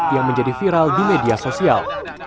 yang menjadi viral di media sosial